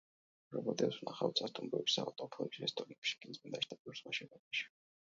რობოტებს ვნახავთ სასტუმროებში, საავადმყოფოებში, რესტორნებში, ქიმწმენდაში და ბევრ სხვა შენობაში.